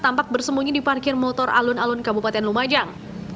tampak bersembunyi di parkir motor alun alun kabupaten lumajang